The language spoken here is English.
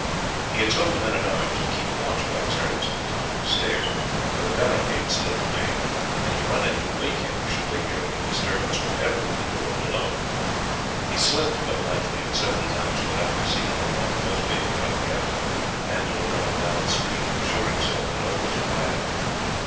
He had told the men at arms to keep watch by turns at the top of the stairs, where the barricade still remained, and to run in to wake him should they hear any disturbance whatever at the door below. He slept but lightly, and several times went out to see that the watch was being well kept, and to look up and down the street to assure himself that all was quiet.